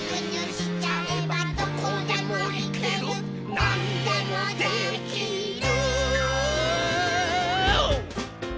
「なんでもできる！！！」